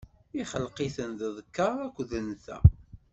ixleq-iten d ddkeṛ akked nnta.